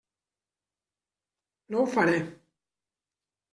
No ho faré.